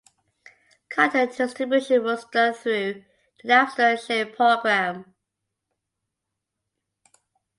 Content distribution was done through the Napster sharing program.